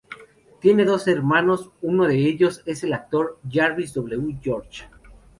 Tiene dos hermanos, uno de ellos es el actor Jarvis W. George.